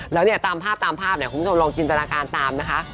แล้วตามภาพคุณผู้ชมลองจินตราการตามนะคะ